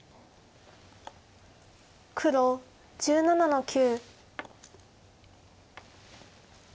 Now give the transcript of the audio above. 黒１７の九。